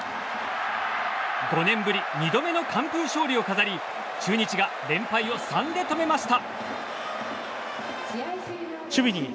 ５年ぶり２度目の完封勝利を飾り中日が連敗を３で止めました。